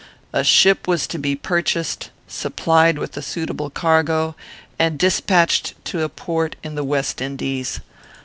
A ship was to be purchased, supplied with a suitable cargo, and despatched to a port in the West Indies.